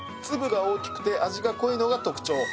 粒が大きくて味が濃いのが特徴。